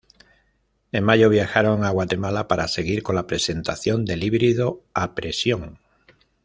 En mayo viajaron a Guatemala para seguir con la presentación del "Híbrido a presión".